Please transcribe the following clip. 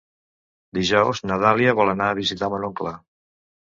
Dijous na Dàlia vol anar a visitar mon oncle.